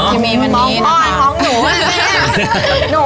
มองพ่อมองหนู